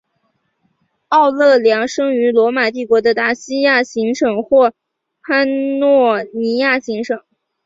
奥勒良生于罗马帝国的达西亚行省或潘诺尼亚行省。